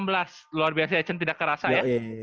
luar biasa ya cun tidak kerasa ya